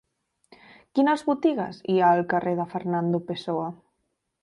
Quines botigues hi ha al carrer de Fernando Pessoa?